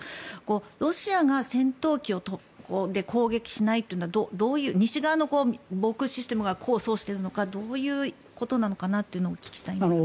ロシアが戦闘機で攻撃しないというのは西側の防空システムが功を奏しているのかどういうことなのかお聞きしたいんですが。